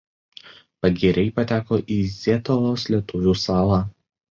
Pagiriai pateko į Zietelos lietuvių „salą“.